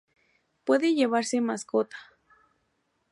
Puede llevarse mascota.